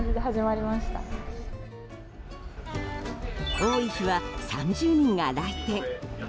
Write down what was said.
多い日は３０人が来店。